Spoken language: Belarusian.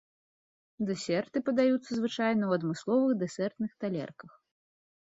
Дэсерты падаюцца звычайна ў адмысловых дэсертных талерках.